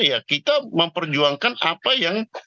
ya kita memperjuangkan apa yang